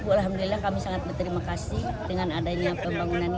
alhamdulillah kami sangat berterima kasih dengan adanya pembangunan ini